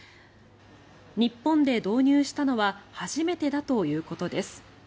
日本で導入したのは初めてだということです。